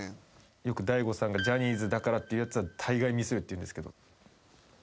よく大悟さんがジャニーズだからって言うやつはたいがいミスるって言うんですけど。